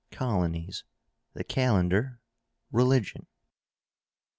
COLONIES. THE CALENDAR. RELIGION.